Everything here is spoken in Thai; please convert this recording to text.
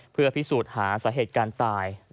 เพื่อพิสูจน์หาสาเหตุการณ์ตาย